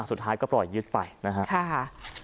สุดท้ายก็ปล่อยยึดไปนะครับ